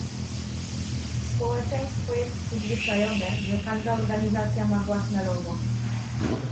Społeczeństwo jest przyzwyczajone, że każda organizacja ma własne logo